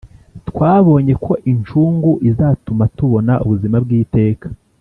Twabonye ko incungu izatuma tubona ubuzima bw’iteka